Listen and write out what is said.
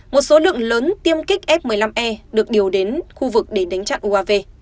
một số lượng lớn tiêm kích f một mươi năm e được điều đến khu vực để đánh chặn uav